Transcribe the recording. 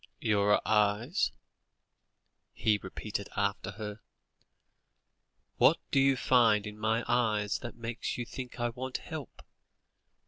"Your eyes " he repeated after her. "What do you find in my eyes that makes you think I want help?"